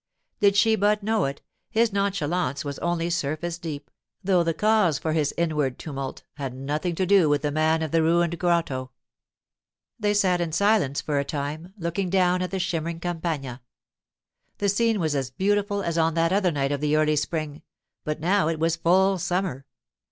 Did she but know it, his nonchalance was only surface deep, though the cause for his inward tumult had nothing to do with the man of the ruined grotto. They sat in silence for a time, looking down on the shimmering Campagna. The scene was as beautiful as on that other night of the early spring, but now it was full summer.